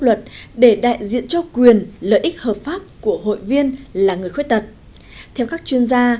luật để đại diện cho quyền lợi ích hợp pháp của hội viên là người khuyết tật theo các chuyên gia